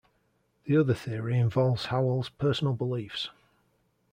The other theory involves Howell's personal beliefs.